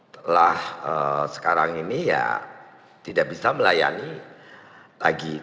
setelah sekarang ini ya tidak bisa melayani lagi